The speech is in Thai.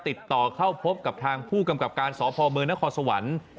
ติดต่อเข้าพบกับทางผู้กำกับการสพมนครสวรรค์